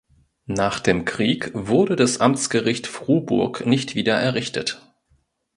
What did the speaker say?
Nach dem Krieg wurde das Amtsgericht Frohburg nicht wieder errichtet.